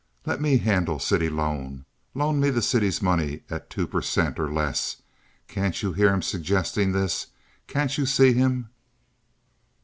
Let me handle city loan. Loan me the city's money at two per cent. or less.' Can't you hear him suggesting this? Can't you see him?